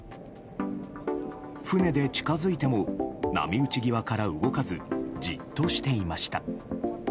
船で近づいても波打ち際から動かずじっとしていました。